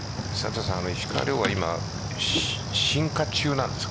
石川遼は今進化中なんですか。